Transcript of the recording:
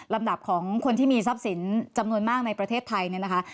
ลำดับของคนที่มีทรัพย์สินจำนวนมากในประเทศไทยเนี่ยนะคะ